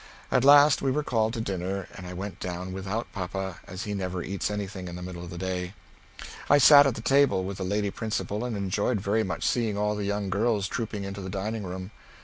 At last we were called to dinner, and I went down without papa as he never eats anything in the middle of the day. I sat at the table with the lady principal and enjoyed very much seeing all the young girls trooping into the dining room.